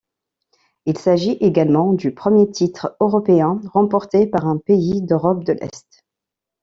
Il s'agit également du premier titre européen remporté par un pays d'Europe de l'Est.